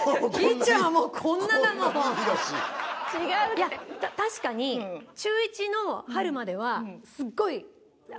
いや確かに中１の春まではすっごい中心人物だった。